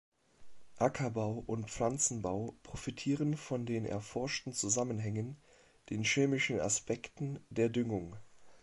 Ackerbau und Pflanzenbau profitieren von den erforschten Zusammenhängen, den chemischen Aspekten der Düngung.